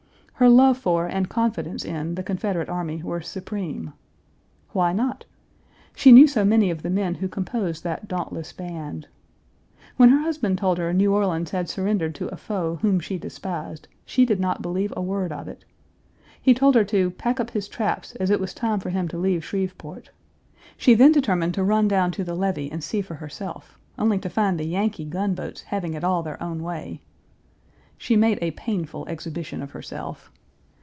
Her love for and confidence in the Confederate army were supreme. Why not! She knew so many of the men who composed that dauntless band. When her husband told her New Orleans had surrendered to a foe whom she despised, she did not believe a word of it. He told her to "pack up his traps, as it was time for him to leave Shreveport." She then determined to run down to the levee and see for herself, only to find the Yankee gunboats having it all their own way. She made a painful exhibition of herself.